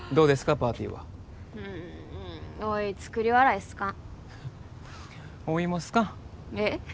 パーティーはうーんおい作り笑い好かんおいも好かんえっ？